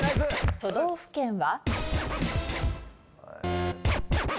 都道府県は？